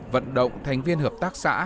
vận động thành viên hợp tác xã